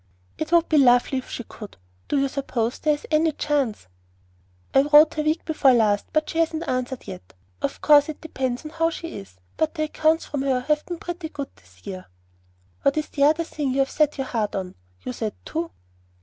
"It would be lovely if she could. Do you suppose there is any chance?" "I wrote her week before last, but she hasn't answered yet. Of course it depends on how she is; but the accounts from her have been pretty good this year." "What is the other thing you have set your heart on? You said 'two.'"